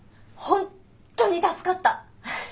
本当に助かった。